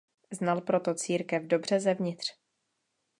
Znal proto církev dobře zevnitř.